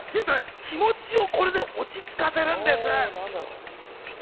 気持ちを落ち着かせるんです。